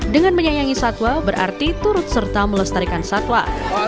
dengan menyayangi satwa berarti turut serta melestarikan satwa